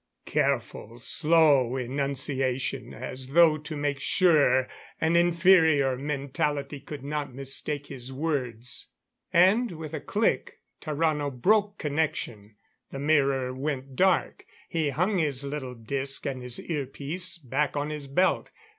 Careful, slow enunciation as though to make sure an inferior mentality could not mistake his words. And with a click, Tarrano broke connection. The mirror went dark; he hung his little disc and ear piece back on his belt.